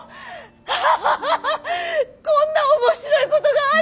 ハハハハハッこんな面白いことがあるか？